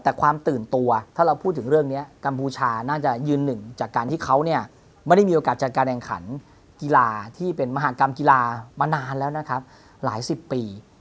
แต่ความตื่นตัวถ้าเราพูดถึงเรื่องนี้กัมพูชาน่าจะยืนหนึ่งจากการที่เขาเนี่ยไม่ได้มีโอกาสจัดการแข่งขันกีฬาที่เป็นมหากรรมกีฬามานานแล้วนะครับหลายสิบปี